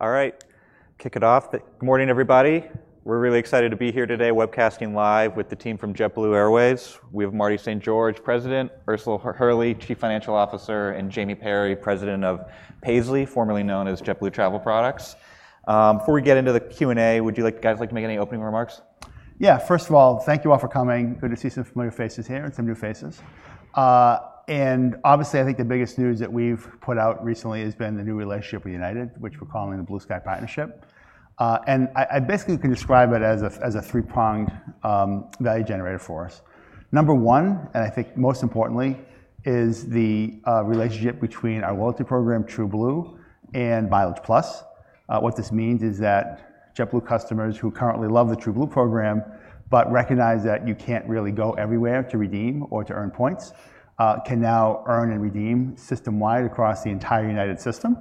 All right, kick it off. Good morning, everybody. We're really excited to be here today webcasting live with the team from JetBlue Airways. We have Marty St. George, President, Ursula Hurley, Chief Financial Officer, and Jamie Perry, President of Paisly, formerly known as JetBlue Travel Products. Before we get into the Q&A, would you guys like to make any opening remarks? Yeah, first of all, thank you all for coming. Good to see some familiar faces here and some new faces. Obviously, I think the biggest news that we've put out recently has been the new relationship with United, which we're calling the Blue Sky Partnership. I basically can describe it as a three-pronged value generator for us. Number one, and I think most importantly, is the relationship between our loyalty program, TrueBlue, and MileagePlus. What this means is that JetBlue customers who currently love the TrueBlue program but recognize that you can't really go everywhere to redeem or to earn points can now earn and redeem system-wide across the entire United system.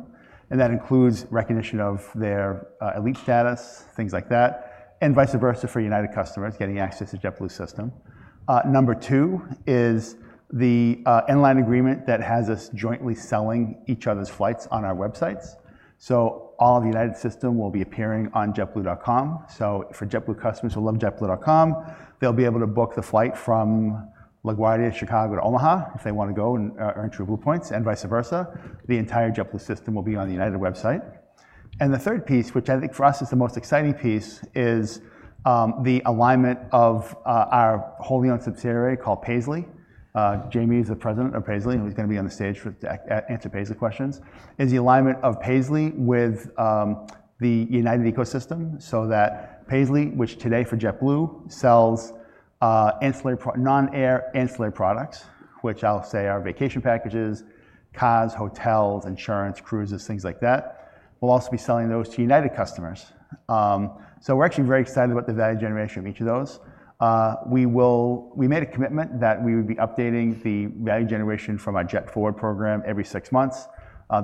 That includes recognition of their elite status, things like that, and vice versa for United customers getting access to JetBlue's system. Number two is the interline agreement that has us jointly selling each other's flights on our websites. All of the United system will be appearing on jetblue.com. For JetBlue customers who love jetblue.com, they'll be able to book the flight from LaGuardia, Chicago, to Omaha if they want to go and earn TrueBlue points, and vice versa. The entire JetBlue system will be on the United website. The third piece, which I think for us is the most exciting piece, is the alignment of our holding on subsidiary called Paisly. Jamie is the President of Paisly, and he's going to be on the stage to answer Paisly questions. It's the alignment of Paisly with the United ecosystem so that Paisly, which today for JetBlue sells non-air ancillary products, which I'll say are vacation packages, cars, hotels, insurance, cruises, things like that, will also be selling those to United customers. We're actually very excited about the value generation of each of those. We made a commitment that we would be updating the value generation from our Jet Forward program every six months.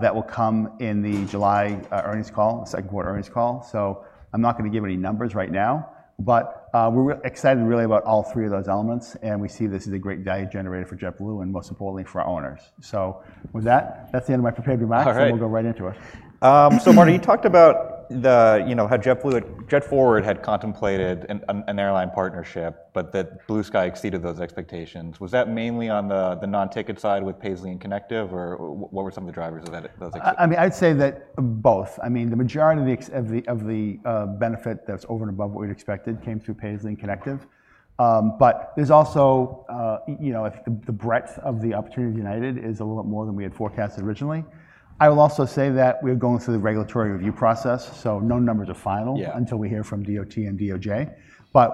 That will come in the July earnings call, the second quarter earnings call. I'm not going to give any numbers right now, but we're excited really about all three of those elements. We see this as a great value generator for JetBlue and most importantly for our owners. With that, that's the end of my prepared remarks, and we'll go right into it. Marty, you talked about how JetForward had contemplated an airline partnership, but that Blue Sky exceeded those expectations. Was that mainly on the non-ticket side with Paisly and Connective, or what were some of the drivers of that? I mean, I'd say that both. I mean, the majority of the benefit that's over and above what we'd expected came through Paisly and Connective. There's also the breadth of the opportunity at United is a little bit more than we had forecast originally. I will also say that we are going through the regulatory review process. No numbers are final until we hear from DOT and DOJ.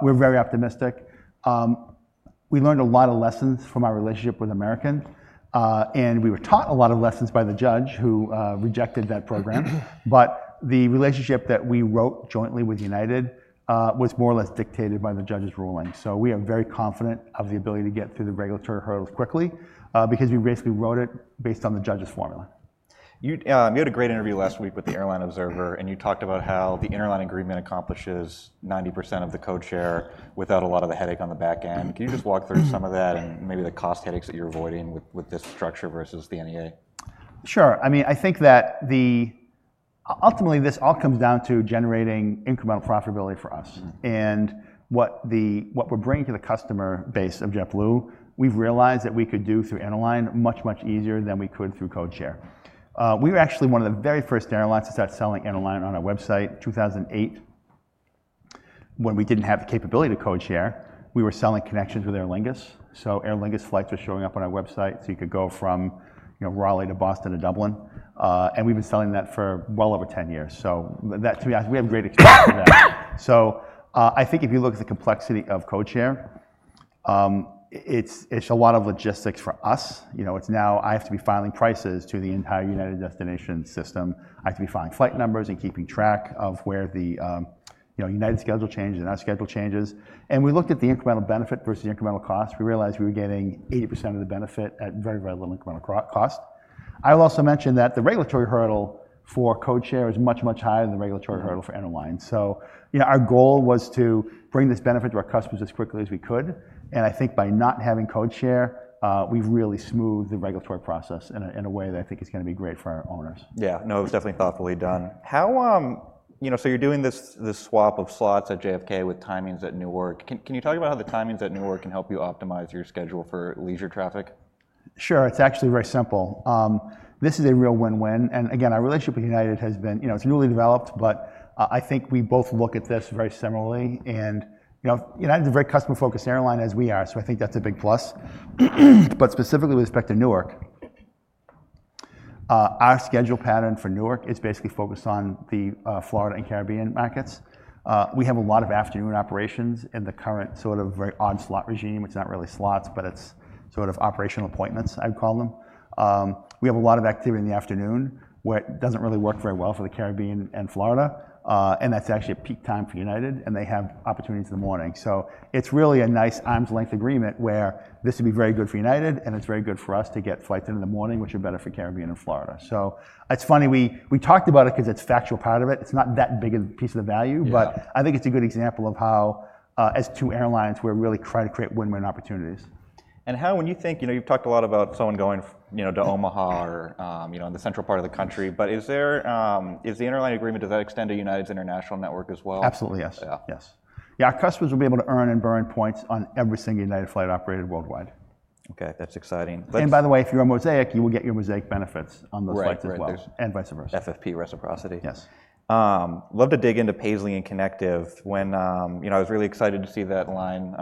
We're very optimistic. We learned a lot of lessons from our relationship with American. We were taught a lot of lessons by the judge who rejected that program. The relationship that we wrote jointly with United was more or less dictated by the judge's ruling. We are very confident of the ability to get through the regulatory hurdles quickly because we basically wrote it based on the judge's formula. You had a great interview last week with the Airline Observer, and you talked about how the interline agreement accomplishes 90% of the code share without a lot of the headache on the back end. Can you just walk through some of that and maybe the cost headaches that you're avoiding with this structure versus the NEA? Sure. I mean, I think that ultimately this all comes down to generating incremental profitability for us. What we're bringing to the customer base of JetBlue, we've realized that we could do through interline much, much easier than we could through code share. We were actually one of the very first airlines to start selling interline on our website in 2008 when we did not have the capability to code share. We were selling connections with Aer Lingus. Aer Lingus flights were showing up on our website. You could go from Raleigh to Boston to Dublin. We have been selling that for well over 10 years. We have great experience with that. I think if you look at the complexity of code share, it is a lot of logistics for us. It is now I have to be filing prices to the entire United destination system. I have to be filing flight numbers and keeping track of where the United schedule changes and our schedule changes. We looked at the incremental benefit versus the incremental cost. We realized we were getting 80% of the benefit at very, very little incremental cost. I will also mention that the regulatory hurdle for code share is much, much higher than the regulatory hurdle for interline. Our goal was to bring this benefit to our customers as quickly as we could. I think by not having code share, we've really smoothed the regulatory process in a way that I think is going to be great for our owners. Yeah, no, it was definitely thoughtfully done. You're doing this swap of slots at JFK with timings at Newark. Can you talk about how the timings at Newark can help you optimize your schedule for leisure traffic? Sure. It's actually very simple. This is a real win-win. Again, our relationship with United has been, it's newly developed, but I think we both look at this very similarly. United is a very customer-focused airline as we are. I think that's a big plus. Specifically with respect to Newark, our schedule pattern for Newark is basically focused on the Florida and Caribbean markets. We have a lot of afternoon operations in the current sort of very odd slot regime. It's not really slots, but it's sort of operational appointments, I would call them. We have a lot of activity in the afternoon, which doesn't really work very well for the Caribbean and Florida. That's actually a peak time for United. They have opportunities in the morning. It is really a nice arm's length agreement where this would be very good for United, and it is very good for us to get flights in the morning, which are better for Caribbean and Florida. It is funny. We talked about it because it is a factual part of it. It is not that big a piece of the value. I think it is a good example of how, as two airlines, we are really trying to create win-win opportunities. How, when you think, you've talked a lot about someone going to Omaha or the central part of the country, but is the interline agreement, does that extend to United's international network as well? Absolutely, yes. Yes. Yeah, our customers will be able to earn and burn points on every single United flight operated worldwide. Okay, that's exciting. By the way, if you're a Mosaic, you will get your Mosaic benefits on those flights as well and vice versa. FFP reciprocity. Yes. Love to dig into Paisly and Connective. I was really excited to see that line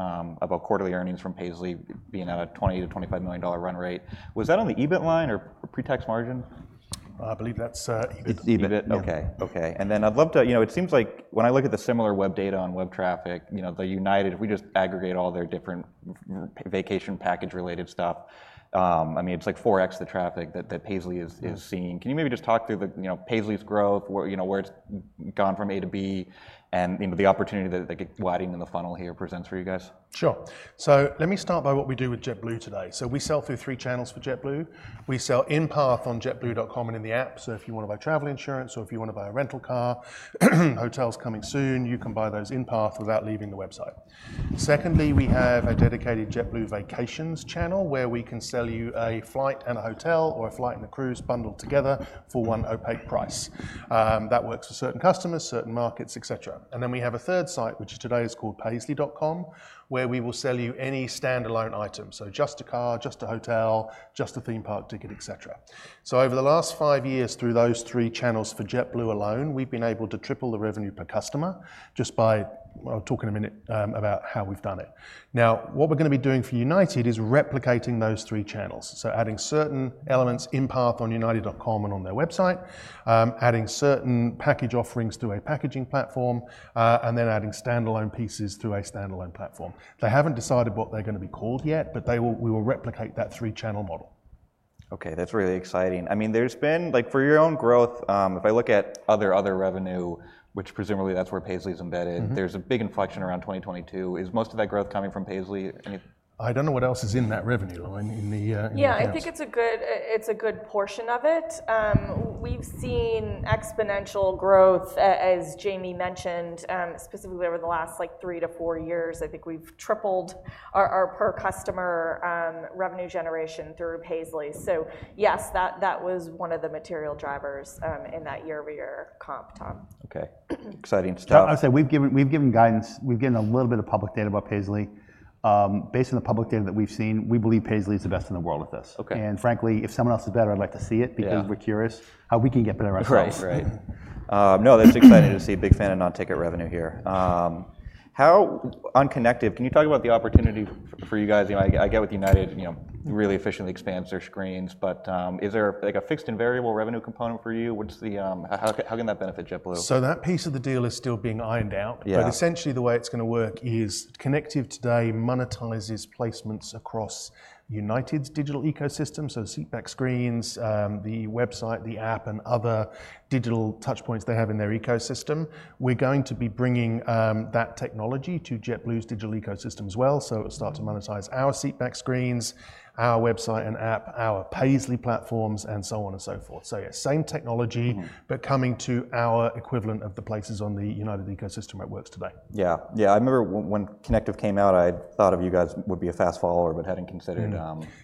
about quarterly earnings from Paisly being at a $20 million, $25 million run rate. Was that on the EBIT line or pretext margin? I believe that's EBIT. It's EBIT? Okay. I'd love to, it seems like when I look at the Similarweb data on web traffic, the United, if we just aggregate all their different vacation package-related stuff, I mean, it's like 4x the traffic that Paisly is seeing. Can you maybe just talk through Paisly's growth, where it's gone from A to B, and the opportunity that getting in the funnel here presents for you guys? Sure. Let me start by what we do with JetBlue today. We sell through three channels for JetBlue. We sell in-path on jetblue.com and in the app. If you want to buy travel insurance or if you want to buy a rental car, hotels coming soon, you can buy those in-path without leaving the website. Secondly, we have a dedicated JetBlue Vacations channel where we can sell you a flight and a hotel or a flight and a cruise bundled together for one opaque price. That works for certain customers, certain markets, etc. We have a third site, which today is called Paisly.com, where we will sell you any standalone item. Just a car, just a hotel, just a theme park ticket, etc. Over the last five years through those three channels for JetBlue alone, we've been able to triple the revenue per customer just by talking a minute about how we've done it. Now, what we're going to be doing for United is replicating those three channels. Adding certain elements in-path on united.com and on their website, adding certain package offerings through a packaging platform, and then adding standalone pieces through a standalone platform. They haven't decided what they're going to be called yet, but we will replicate that three-channel model. Okay, that's really exciting. I mean, there's been for your own growth, if I look at other revenue, which presumably that's where Paisly is embedded, there's a big inflection around 2022. Is most of that growth coming from Paisly? I don't know what else is in that revenue line. Yeah, I think it's a good portion of it. We've seen exponential growth, as Jamie mentioned, specifically over the last three to four years. I think we've tripled our per-customer revenue generation through Paisly. So yes, that was one of the material drivers in that year-over-year comp, Tom. Okay, exciting stuff. I'll say we've given guidance. We've given a little bit of public data about Paisly. Based on the public data that we've seen, we believe Paisly is the best in the world at this. Frankly, if someone else is better, I'd like to see it because we're curious how we can get better at ourselves. Right. No, that's exciting to see. A big fan of non-ticket revenue here. On Connective, can you talk about the opportunity for you guys? I get with United really efficiently expands their screens but is there a fixed and variable revenue component for you? How can that benefit JetBlue? That piece of the deal is still being ironed out. Essentially, the way it's going to work is Connective today monetizes placements across United's digital ecosystem. Seatback screens, the website, the app, and other digital touch points they have in their ecosystem. We're going to be bringing that technology to JetBlue's digital ecosystem as well. It starts to monetize our seatback screens, our website and app, our Paisly platforms, and so on and so forth. Yeah, same technology, but coming to our equivalent of the places on the United ecosystem that works today. Yeah, yeah. I remember when Connective came out, I thought you guys would be a fast follower, but had not considered.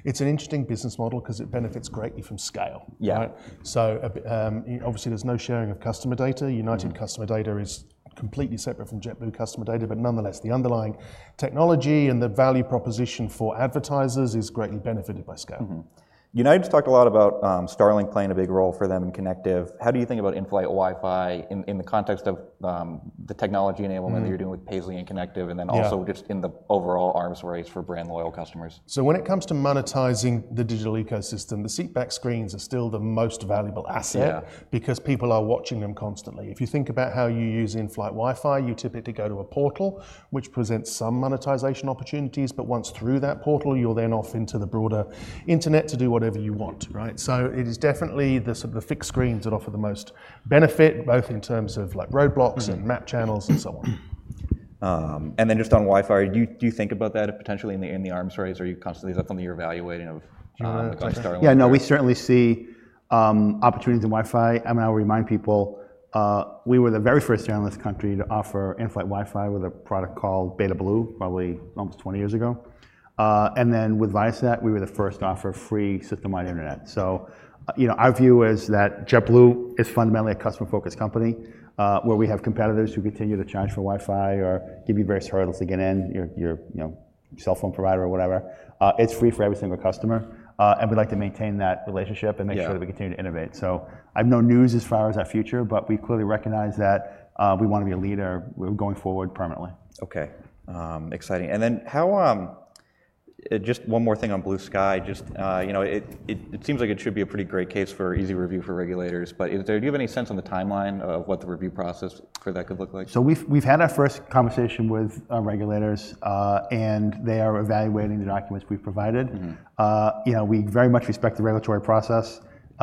It's an interesting business model because it benefits greatly from scale. Obviously, there's no sharing of customer data. United customer data is completely separate from JetBlue customer data. Nonetheless, the underlying technology and the value proposition for advertisers is greatly benefited by scale. United's talked a lot about Starlink playing a big role for them in Connective. How do you think about inflight Wi-Fi in the context of the technology enablement that you're doing with Paisly and Connective, and then also just in the overall arms race for brand loyal customers? When it comes to monetizing the digital ecosystem, the seatback screens are still the most valuable asset because people are watching them constantly. If you think about how you use inflight Wi-Fi, you typically go to a portal, which presents some monetization opportunities. Once through that portal, you're then off into the broader internet to do whatever you want. It is definitely the fixed screens that offer the most benefit, both in terms of roadblocks and map channels and so on. Just on Wi-Fi, do you think about that potentially in the arms race? Are you constantly, that's something you're evaluating, of [Starlink]? Yeah, no, we certainly see opportunities in Wi-Fi. I mean, I'll remind people, we were the very first airline in this country to offer inflight Wi-Fi with a product called BetaBlue, probably almost 20 years ago. With Viasat, we were the first to offer free system-wide internet. Our view is that JetBlue is fundamentally a customer-focused company where we have competitors who continue to charge for Wi-Fi or give you various hurdles to get in, your cell phone provider or whatever. It's free for every single customer. We'd like to maintain that relationship and make sure that we continue to innovate. I have no news as far as our future, but we clearly recognize that we want to be a leader going forward permanently. Okay, exciting. Just one more thing on Blue Sky. It seems like it should be a pretty great case for easy review for regulators. Do you have any sense on the timeline of what the review process for that could look like? We've had our first conversation with regulators. They are evaluating the documents we've provided. We very much respect the regulatory process.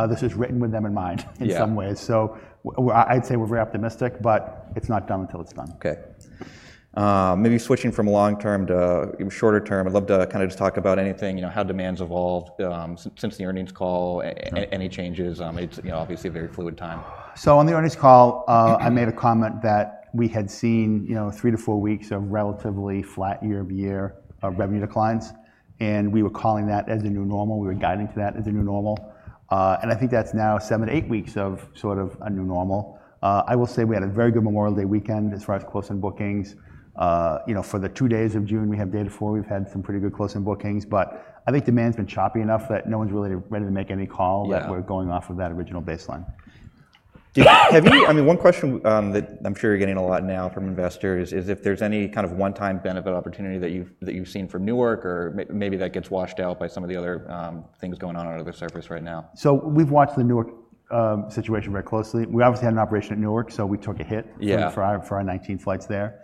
This is written with them in mind in some ways. I'd say we're very optimistic, but it's not done until it's done. Okay. Maybe switching from long-term to shorter-term, I'd love to kind of just talk about anything, how demand's evolved since the earnings call, any changes. It's obviously a very fluid time. On the earnings call, I made a comment that we had seen three to four weeks of relatively flat year-over-year revenue declines. We were calling that as a new normal. We were guiding to that as a new normal. I think that's now seven to eight weeks of sort of a new normal. I will say we had a very good Memorial Day weekend as far as close-in bookings. For the two days of June we have data for, we've had some pretty good close-in bookings. I think demand's been choppy enough that no one's really ready to make any call that we're going off of that original baseline. I mean, one question that I'm sure you're getting a lot now from investors is if there's any kind of one-time benefit opportunity that you've seen from Newark, or maybe that gets washed out by some of the other things going on on the surface right now. We have watched the Newark situation very closely. We obviously had an operation at Newark, so we took a hit for our 19 flights there.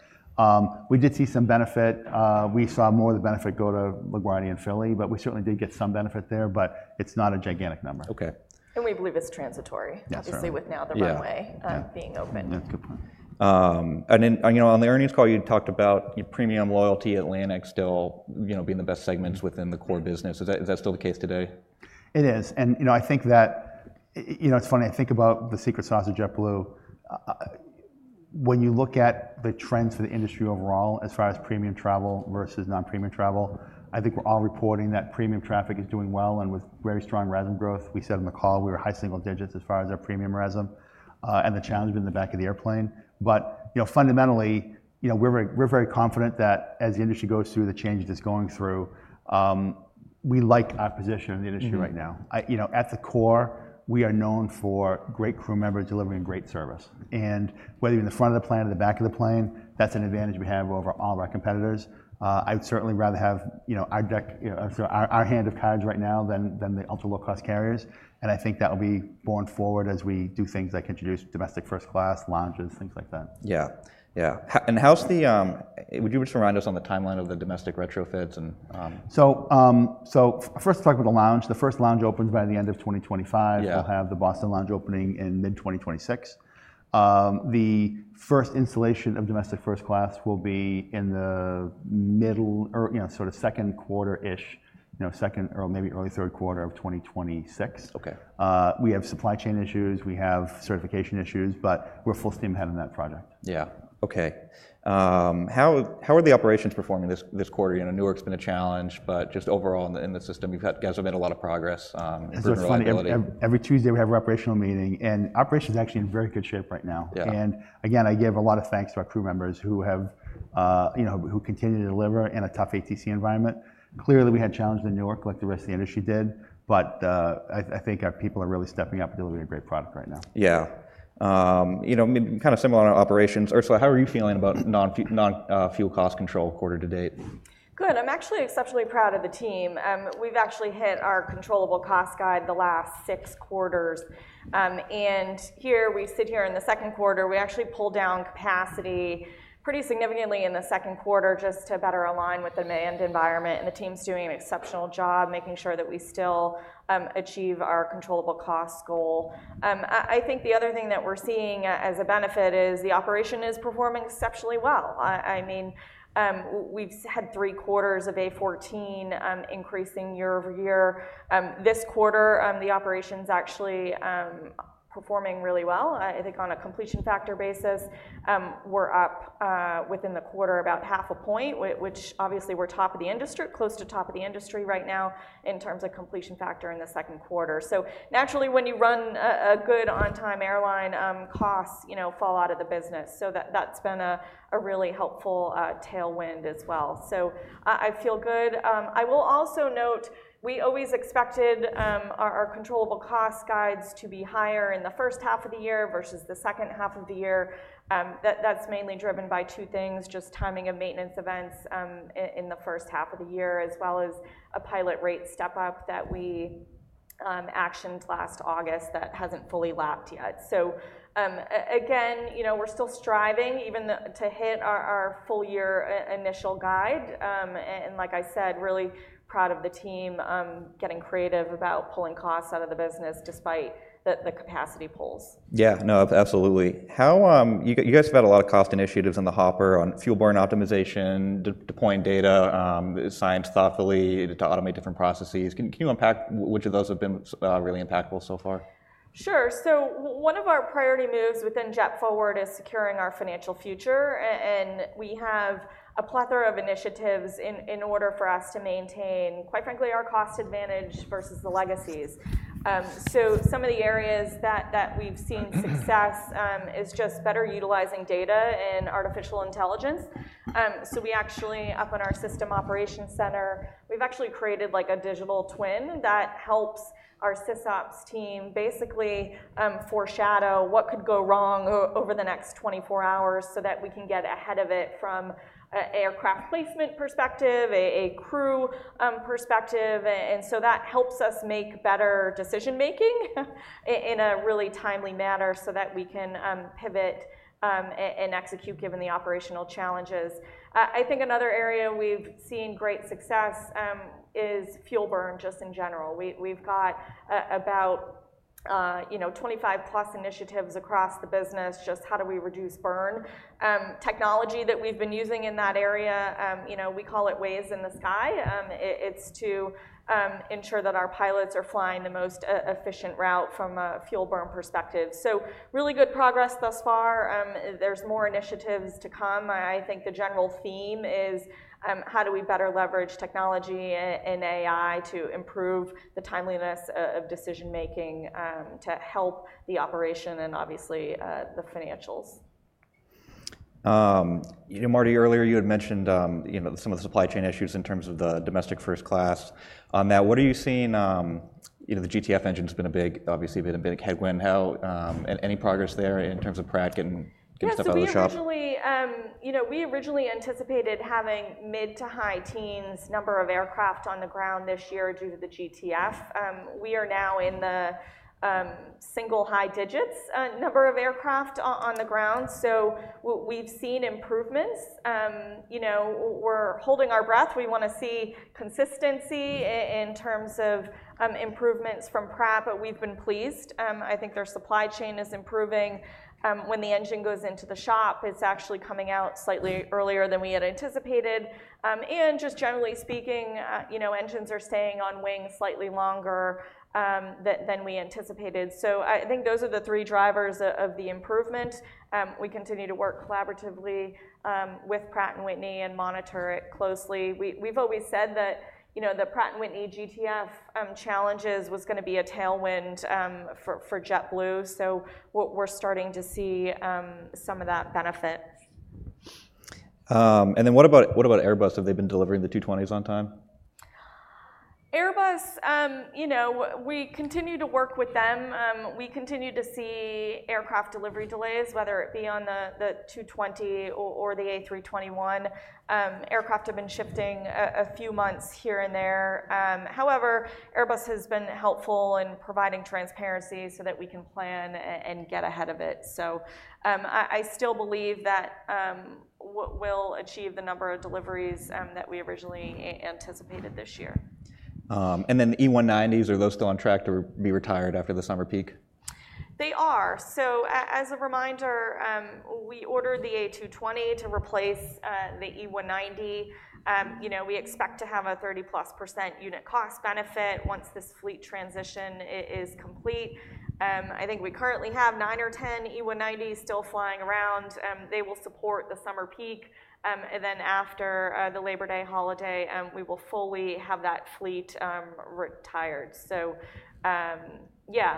We did see some benefit. We saw more of the benefit go to LaGuardia and Philly, but we certainly did get some benefit there. It is not a gigantic number. We believe it's transitory, obviously, with now the runway being open. That's a good point. On the earnings call, you talked about premium loyalty, Atlantic still being the best segments within the core business. Is that still the case today? It is. I think that it's funny. I think about the secret sauce of JetBlue. When you look at the trends for the industry overall, as far as premium travel versus non-premium travel, I think we're all reporting that premium traffic is doing well and with very strong resume growth. We said on the call, we were high single digits as far as our premium resume, the challenge has been the back of the airplane. Fundamentally, we're very confident that as the industry goes through the changes it's going through, we like our position in the industry right now. At the core, we are known for great crew members delivering great service. Whether you're in the front of the plane or the back of the plane, that's an advantage we have over all of our competitors. I would certainly rather have our hand of cards right now than the ultra-low-cost carriers. I think that will be borne forward as we do things like introduce domestic first-class lounges, things like that. Yeah, yeah. Would you just remind us on the timeline of the domestic retrofits? First, talk about the lounge. The first lounge opens by the end of 2025. We'll have the Boston lounge opening in mid-2026. The first installation of domestic first-class will be in the middle or sort of second quarter-ish, second or maybe early third quarter of 2026. We have supply chain issues. We have certification issues. We are full steam ahead on that project. Yeah, Okay. How are the operations performing this quarter? Newark's been a challenge. Just overall in the system, you guys have made a lot of progress. It's been fun. Every Tuesday, we have our operational meeting. Operations is actually in very good shape right now. I give a lot of thanks to our crew members who continue to deliver in a tough ATC environment. Clearly, we had challenges in Newark like the rest of the industry did. I think our people are really stepping up to deliver a great product right now. Yeah. Kind of similar on operations. Ursula, how are you feeling about non-fuel cost control quarter to date? Good. I'm actually exceptionally proud of the team. We've actually hit our controllable cost guide the last six quarters. We sit here in the second quarter, we actually pulled down capacity pretty significantly in the second quarter just to better align with the demand environment. The team's doing an exceptional job making sure that we still achieve our controllable cost goal. I think the other thing that we're seeing as a benefit is the operation is performing exceptionally well. I mean, we've had three quarters of A14 increasing year-over-year. This quarter, the operation's actually performing really well. I think on a completion factor basis, we're up within the quarter about half a point, which obviously we're top of the industry, close to top of the industry right now in terms of completion factor in the second quarter. Naturally, when you run a good on-time airline, costs fall out of the business. That has been a really helpful tailwind as well. I feel good. I will also note we always expected our controllable cost guides to be higher in the first half of the year versus the second half of the year. That is mainly driven by two things, just timing of maintenance events in the first half of the year, as well as a pilot rate step-up that we actioned last August that has not fully lapped yet. Again, we are still striving even to hit our full-year initial guide. Like I said, really proud of the team getting creative about pulling costs out of the business despite the capacity pulls. Yeah, no, absolutely. You guys have had a lot of cost initiatives on the hopper on fuel-burning optimization, deploying data science thoughtfully to automate different processes. Can you unpack which of those have been really impactful so far? Sure. One of our priority moves within JetForward is securing our financial future. We have a plethora of initiatives in order for us to maintain, quite frankly, our cost advantage versus the legacies. Some of the areas that we've seen success is just better utilizing data and artificial intelligence. We actually, up in our system operations center, have created a digital twin that helps our SysOps team basically foreshadow what could go wrong over the next 24 hours so that we can get ahead of it from an aircraft placement perspective, a crew perspective. That helps us make better decision-making in a really timely manner so that we can pivot and execute given the operational challenges. I think another area we've seen great success is fuel burn just in general. We've got about 25+ initiatives across the business, just how do we reduce burn? Technology that we've been using in that area, we call it waves in the sky. It's to ensure that our pilots are flying the most efficient route from a fuel burn perspective. Really good progress thus far. There's more initiatives to come. I think the general theme is how do we better leverage technology and AI to improve the timeliness of decision-making to help the operation and obviously the financials. Marty, earlier you had mentioned some of the supply chain issues in terms of the domestic first class. Now, what are you seeing? The GTF engine's been a big, obviously, been a big headwind. Any progress there in terms of Pratt getting stuff out of the shop? We originally anticipated having mid to high teens number of aircraft on the ground this year due to the GTF. We are now in the single high digits number of aircraft on the ground. We have seen improvements. We are holding our breath. We want to see consistency in terms of improvements from Pratt, but we have been pleased. I think their supply chain is improving. When the engine goes into the shop, it is actually coming out slightly earlier than we had anticipated. Just generally speaking, engines are staying on wings slightly longer than we anticipated. I think those are the three drivers of the improvement. We continue to work collaboratively with Pratt & Whitney and monitor it closely. We have always said that the Pratt & Whitney GTF challenges was going to be a tailwind for JetBlue. We are starting to see some of that benefit. What about Airbus? Have they been delivering the 220s on time? Airbus, we continue to work with them. We continue to see aircraft delivery delays, whether it be on the A220 or the A321. Aircraft have been shifting a few months here and there. However, Airbus has been helpful in providing transparency so that we can plan and get ahead of it. I still believe that we'll achieve the number of deliveries that we originally anticipated this year. Are the E190s still on track to be retired after the summer peak? They are. As a reminder, we ordered the A220 to replace the E190. We expect to have a 30%+ unit cost benefit once this fleet transition is complete. I think we currently have nine or ten E190s still flying around. They will support the summer peak. After the Labor Day holiday, we will fully have that fleet retired.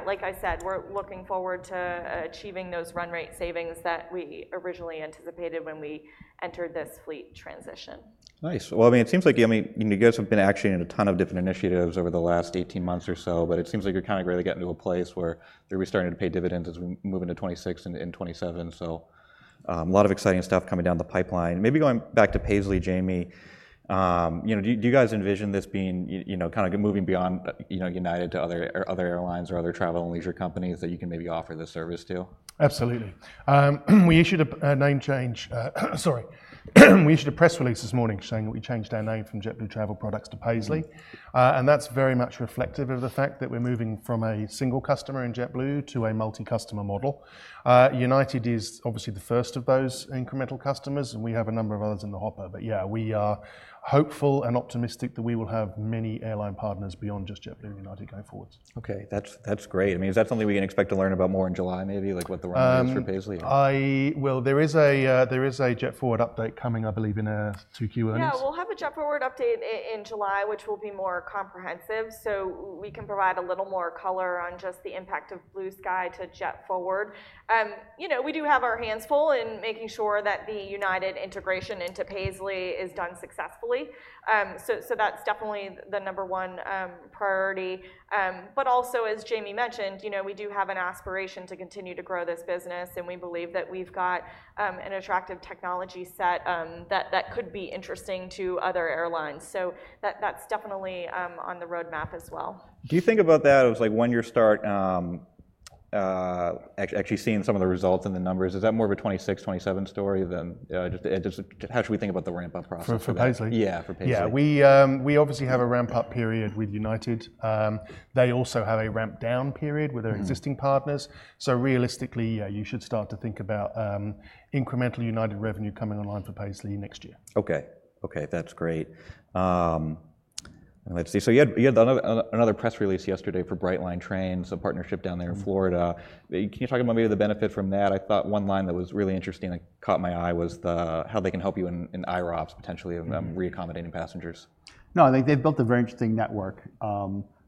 Like I said, we are looking forward to achieving those run rate savings that we originally anticipated when we entered this fleet transition. Nice. I mean, it seems like you guys have been actually in a ton of different initiatives over the last 18 months or so. It seems like you're kind of really getting to a place where we're starting to pay dividends as we move into 2026 and 2027. A lot of exciting stuff coming down the pipeline. Maybe going back to Paisly, Jamie, do you guys envision this being kind of moving beyond United to other airlines or other travel and leisure companies that you can maybe offer this service to? Absolutely. We issued a press release this morning saying that we changed our name from JetBlue Travel Products to Paisly. That is very much reflective of the fact that we are moving from a single customer in JetBlue to a multi-customer model. United is obviously the first of those incremental customers. We have a number of others in the hopper. Yeah, we are hopeful and optimistic that we will have many airline partners beyond just JetBlue and United going forward. Okay, that's great. I mean, is that something we can expect to learn about more in July, maybe? Like what the run rates for Paisly are? There is a JetForward update coming, I believe, in two Q&As. Yeah, we'll have a JetForward update in July, which will be more comprehensive. We can provide a little more color on just the impact of Blue Sky to JetForward. We do have our hands full in making sure that the United integration into Paisly is done successfully. That is definitely the number one priority. Also, as Jamie mentioned, we do have an aspiration to continue to grow this business. We believe that we have got an attractive technology set that could be interesting to other airlines. That is definitely on the roadmap as well. Do you think about that as like one year start, actually seeing some of the results and the numbers? Is that more of a 2026, 2027 story than just how should we think about the ramp-up process? For Paisly. Yeah, for Paisly. Yeah, we obviously have a ramp-up period with United. They also have a ramp-down period with their existing partners. Realistically, yeah, you should start to think about incremental United revenue coming online for Paisly next year. Okay, that's great. Let's see. You had another press release yesterday for Brightline Trains, a partnership down there in Florida. Can you talk about maybe the benefit from that? I thought one line that was really interesting that caught my eye was how they can help you in IROPS, potentially re-accommodating passengers. No, I think they've built a very interesting network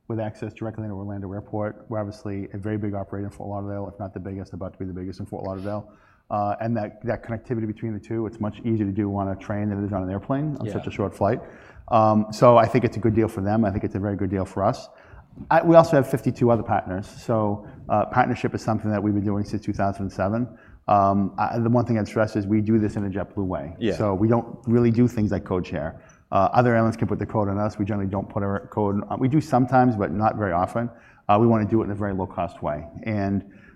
with access directly into Orlando Airport, where obviously a very big operator in Fort Lauderdale, if not the biggest, about to be the biggest in Fort Lauderdale. That connectivity between the two, it's much easier to do on a train than it is on an airplane on such a short flight. I think it's a good deal for them. I think it's a very good deal for us. We also have 52 other partners. Partnership is something that we've been doing since 2007. The one thing I'd stress is we do this in a JetBlue way. We don't really do things like Code Share. Other airlines can put the code on us. We generally don't put our code on. We do sometimes, but not very often. We want to do it in a very low-cost way.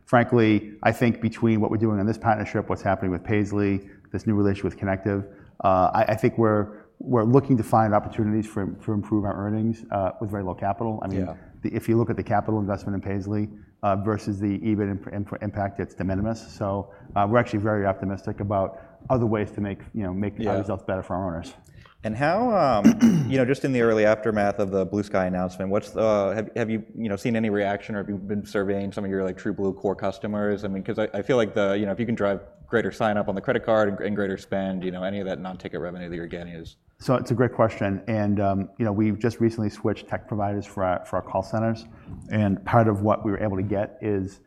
Frankly, I think between what we're doing on this partnership, what's happening with Paisly, this new relation with Connective, I think we're looking to find opportunities to improve our earnings with very low capital. I mean, if you look at the capital investment in Paisly versus the EBIT impact, it's de minimis. We're actually very optimistic about other ways to make ourselves better for our owners. Just in the early aftermath of the Blue Sky announcement, have you seen any reaction? Or have you been surveying some of your TrueBlue core customers? I mean, because I feel like if you can drive greater sign-up on the credit card and greater spend, any of that non-ticket revenue that you're getting is. It's a great question. We've just recently switched tech providers for our call centers. Part of what we were able to get is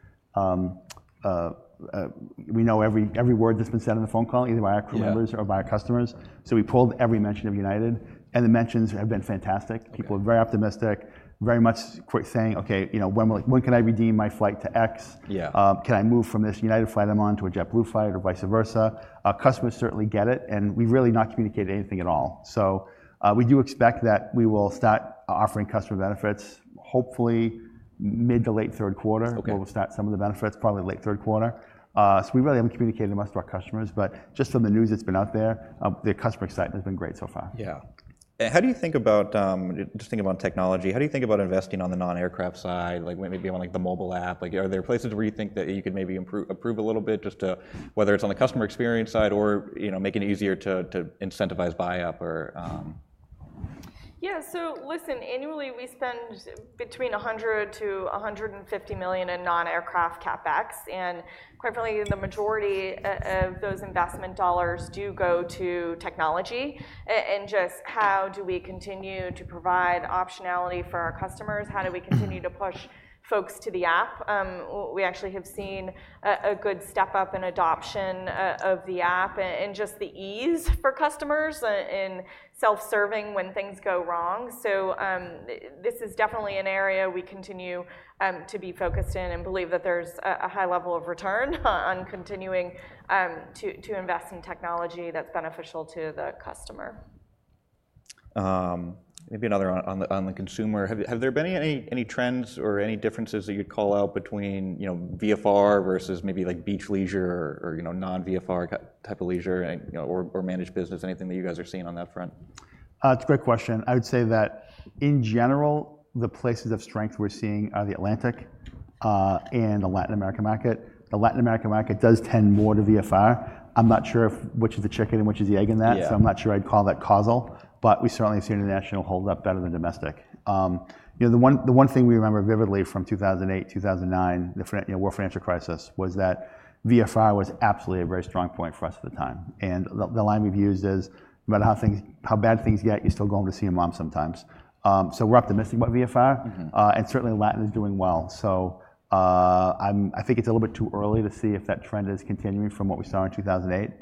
we know every word that's been said on the phone call, either by our crew members or by our customers. We pulled every mention of United. The mentions have been fantastic. People are very optimistic, very much saying, Okay, when can I redeem my flight to X? Can I move from this United flight I'm on to a JetBlue flight or vice versa? Customers certainly get it. We've really not communicated anything at all. We do expect that we will start offering customer benefits, hopefully mid to late third quarter, where we'll start some of the benefits, probably late third quarter. We really haven't communicated much to our customers. Just from the news that's been out there, the customer excitement has been great so far. Yeah. How do you think about just thinking about technology, how do you think about investing on the non-aircraft side, maybe on the mobile app? Are there places where you think that you can maybe improve a little bit, just whether it's on the customer experience side or making it easier to incentivize buy-up? Yeah, so listen, annually we spend between $100 million-$150 million in non-aircraft CapEx. Quite frankly, the majority of those investment dollars do go to technology. Just how do we continue to provide optionality for our customers? How do we continue to push folks to the app? We actually have seen a good step-up in adoption of the app and just the ease for customers in self-serving when things go wrong. This is definitely an area we continue to be focused in and believe that there's a high level of return on continuing to invest in technology that's beneficial to the customer. Maybe another on the consumer. Have there been any trends or any differences that you'd call out between VFR versus maybe beach leisure or non-VFR type of leisure or managed business, anything that you guys are seeing on that front? That's a great question. I would say that in general, the places of strength we're seeing are the Atlantic and the Latin American market. The Latin American market does tend more to VFR. I'm not sure which is the chicken and which is the egg in that. I'm not sure I'd call that causal. We certainly see international holdup better than domestic. The one thing we remember vividly from 2008, 2009, the war financial crisis, was that VFR was absolutely a very strong point for us at the time. The line we've used is no matter how bad things get, you're still going to see your mom sometimes. We're optimistic about VFR. Certainly, Latin is doing well. I think it's a little bit too early to see if that trend is continuing from what we saw in 2008.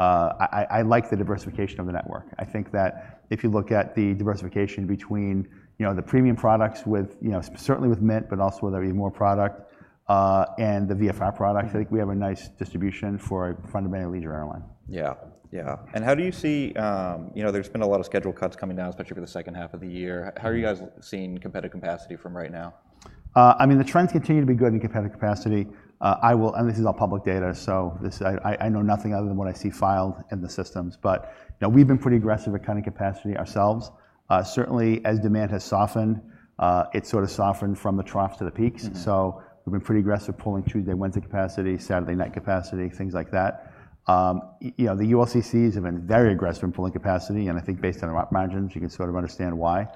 I like the diversification of the network. I think that if you look at the diversification between the premium products, certainly with Mint, but also with our Even More product and the VFR products, I think we have a nice distribution for a fundamentally leisure airline. Yeah, yeah. How do you see, there's been a lot of schedule cuts coming down, especially for the second half of the year. How are you guys seeing competitive capacity from right now? I mean, the trends continue to be good in competitive capacity. This is all public data. I know nothing other than what I see filed in the systems. We've been pretty aggressive at cutting capacity ourselves. Certainly, as demand has softened, it's sort of softened from the troughs to the peaks. We've been pretty aggressive pulling Tuesday, Wednesday capacity, Saturday night capacity, things like that. The ULCCs have been very aggressive in pulling capacity. I think based on our margins, you can sort of understand why.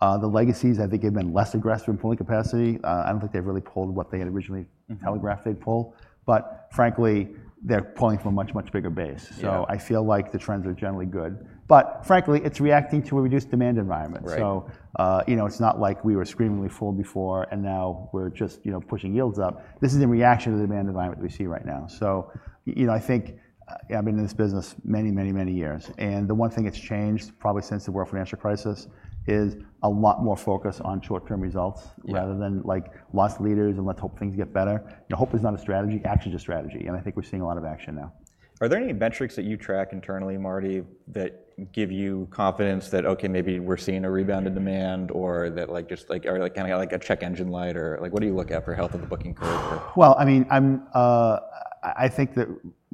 The Legacies, I think, have been less aggressive in pulling capacity. I do not think they've really pulled what they had originally telegraphed they'd pull. Frankly, they're pulling from a much, much bigger base. I feel like the trends are generally good. Frankly, it's reacting to a reduced demand environment. It is not like we were screamingly full before. And now we are just pushing yields up. This is in reaction to the demand environment that we see right now. I think I have been in this business many, many, many years. The one thing that has changed probably since the world financial crisis is a lot more focus on short-term results rather than lost leaders and let's hope things get better. Hope is not a strategy, action is a strategy. I think we are seeing a lot of action now. Are there any metrics that you track internally, Marty, that give you confidence that, okay, maybe we're seeing a rebound in demand or that just kind of got like a check engine light, or what do you look at for health of the booking curve? I mean, I think that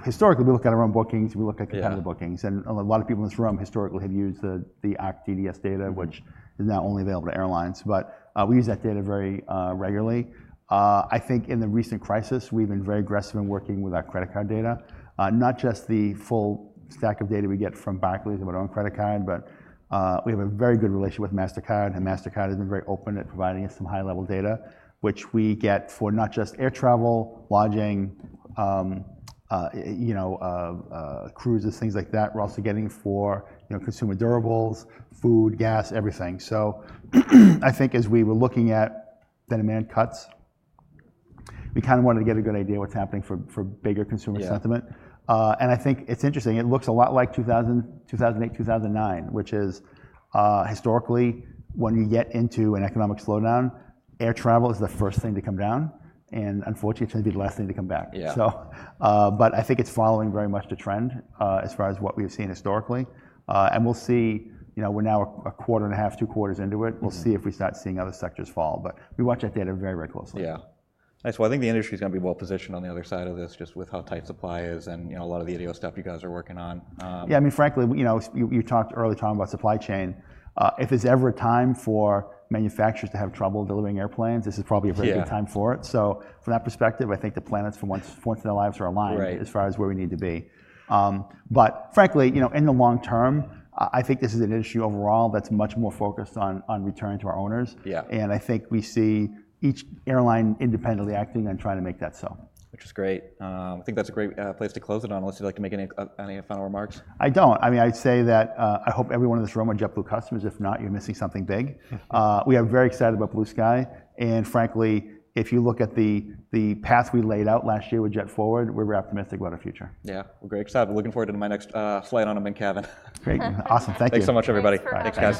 historically, we look at our own bookings. We look at competitive bookings. A lot of people in this room historically have used the ARC TDS data, which is now only available to airlines. We use that data very regularly. I think in the recent crisis, we've been very aggressive in working with our credit card data, not just the full stack of data we get from Barclays and our own credit card. We have a very good relationship with Mastercard. Mastercard has been very open at providing us some high-level data, which we get for not just air travel, lodging, cruises, things like that. We're also getting for consumer durables, food, gas, everything. I think as we were looking at the demand cuts, we kind of wanted to get a good idea of what's happening for bigger consumer sentiment. I think it's interesting. It looks a lot like 2008, 2009, which is historically, when you get into an economic slowdown, air travel is the first thing to come down. Unfortunately, it tends to be the last thing to come back. I think it's following very much the trend as far as what we've seen historically. We're now a quarter and a half, two quarters into it. We'll see if we start seeing other sectors fall. We watch that data very, very closely. Yeah. Nice. I think the industry is going to be well positioned on the other side of this just with how tight supply is and a lot of the idiosyncratic stuff you guys are working on. Yeah, I mean, frankly, you talked early talking about supply chain. If there's ever a time for manufacturers to have trouble delivering airplanes, this is probably a very good time for it. From that perspective, I think the planets for once in their lives are aligned as far as where we need to be. Frankly, in the long-term, I think this is an industry overall that's much more focused on returning to our owners. I think we see each airline independently acting and trying to make that so. Which is great. I think that's a great place to close it on unless you'd like to make any final remarks. I don't. I mean, I'd say that I hope everyone in this room are JetBlue customers. If not, you're missing something big. We are very excited about Blue Sky. Frankly, if you look at the path we laid out last year with JetForward, we're optimistic about our future. Yeah, we're very excited. We're looking forward to my next flight on a Mint cabin. Great. Awesome. Thank you. Thanks so much, everybody. Thanks, guys.